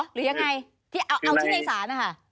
หรือยังไงเอาที่ในสารนะคะ